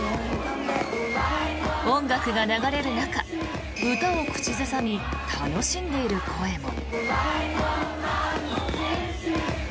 音楽が流れる中歌を口ずさみ楽しんでいる声も。